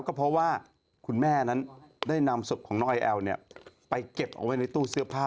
ก็เพราะว่าคุณแม่นั้นได้นำศพของนายแอลไปเก็บเอาไว้ในตู้เสื้อผ้า